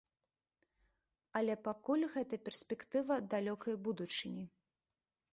Але пакуль гэта перспектыва далёкай будучыні.